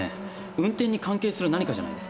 運転に関係する何かじゃないですか？